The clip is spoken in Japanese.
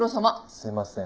すいません。